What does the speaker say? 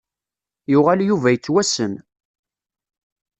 Yuɣal Yuba yettwassen.